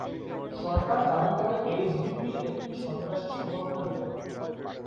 সরকার দাবি করে এইচডিপি একটি "সন্ত্রাসী সংগঠনের দল"।